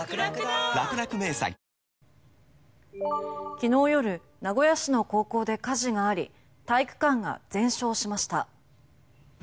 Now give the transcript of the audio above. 昨日夜、名古屋市の高校で火事があり体育館が全焼しました。